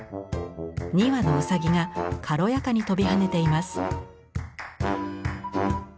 ２羽のうさぎが軽やかに跳びはねています。